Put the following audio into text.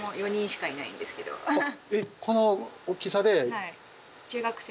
えっこの大きさで？